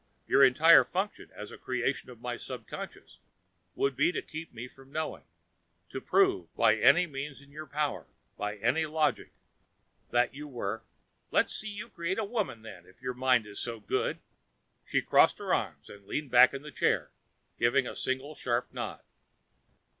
Your entire function, as a creation of my subconscious, would be to keep me from knowing. To prove, by any means in your power, by any logic, that you were " "Let's see you make a woman, then, if your mind is so good!" She crossed her arms and leaned back in the chair, giving a single sharp nod.